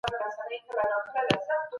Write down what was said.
د دولت سياسي پرېکړې په ټولو پلي کيږي.